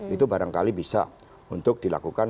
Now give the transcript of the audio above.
itu barangkali bisa untuk dilakukan